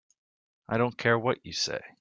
I don't care what you say.